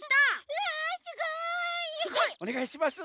うわすごい！おねがいします。